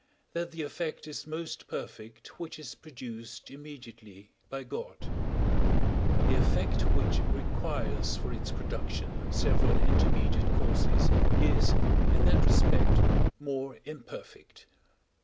that the effect is most perfect which is produced immediately by God; the effect which requires for its production several intermediate causes is, in that respect, more imperfect.